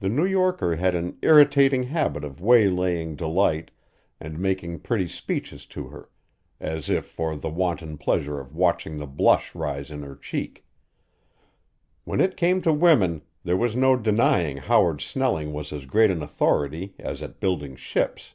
The New Yorker had an irritating habit of waylaying Delight and making pretty speeches to her, as if for the wanton pleasure of watching the blush rise in her cheek. When it came to women there was no denying Howard Snelling was as great an authority as at building ships.